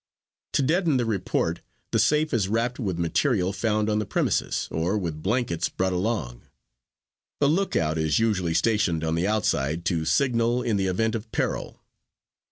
To deaden the report the safe is wrapped with material found on the premises or with blankets brought along. A lookout is usually stationed on the outside to signal in the event of peril.